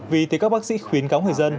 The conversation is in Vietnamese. vì thế các bác sĩ khuyến cáo người dân